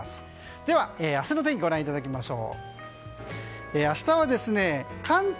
では、明日の天気をご覧いただきましょう。